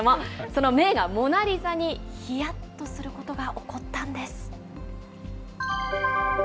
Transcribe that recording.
その名画、モナリザにひやっとすることが起こったんです。